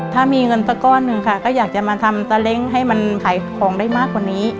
ถ้ามีเงินสักก้อนหนึ่งค่ะก็อยากจะมาทำตาเล้งให้มันขายของได้มากกว่านี้